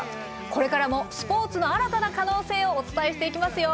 これからもスポーツの新たな可能性をお伝えしていきますよ。